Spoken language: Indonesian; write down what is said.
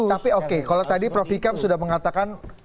tapi oke kalau tadi prof hikam sudah mengatakan